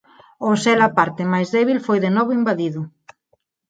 Ao ser a parte máis débil foi de novo invadido.